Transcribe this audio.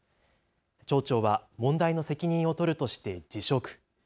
町長は問題の責任を取るとして辞職。